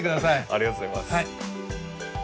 ありがとうございます。